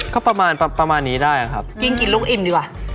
ก็ประมาณประมาณนี้ได้ครับกินกินลูกอิ่มดีกว่า